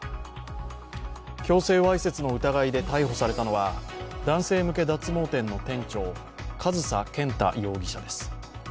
強制わいせつの疑いで逮捕されたのは、男性向け脱毛店の店長、上総健太容疑者です。